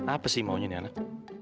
apa sih maunya nih anak